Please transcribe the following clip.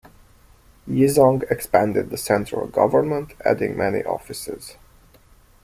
Yizong expanded the central government, adding many offices.